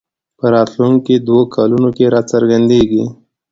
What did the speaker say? په راتلونکو دوو کلونو کې راڅرګندېږي